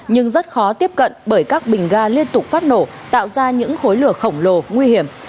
nhưng rất khó tiếp cận bởi các bình ga liên tục phát nổ tạo ra những khối lửa khổng lồ nguy hiểm